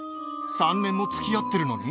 ３年もつきあってるのに？